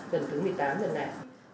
lần thứ một mươi tám lần này